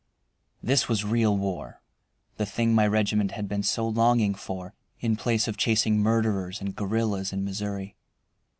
This was real war, the thing my regiment had been so longing for, in place of chasing murderers and guerrillas in Missouri.